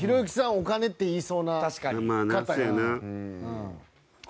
お金って言いそうな方が。